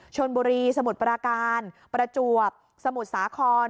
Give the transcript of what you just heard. ชนบุรีสมุทรปราการประจวบสมุทรสาคร